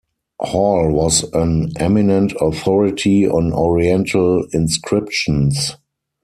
Hall was an eminent authority on Oriental inscriptions.